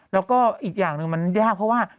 แล้วก็อีกอย่างหนึ่งมันยากเพราะว่า